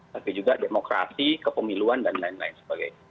tapi juga demokrasi kepemiluan dan lain lain sebagainya